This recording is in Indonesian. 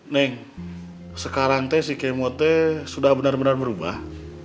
neng sekarang teh si kemote sudah benar benar berubah